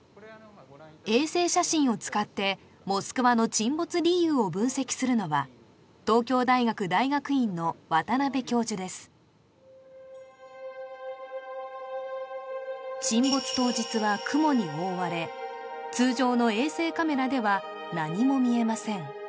衛星写真を使ってモスクワの沈没理由を分析するのは沈没当日は雲に覆われ通常の衛星カメラでは何も見えません